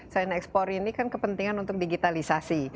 sinaxpor ini kan kepentingan untuk digitalisasi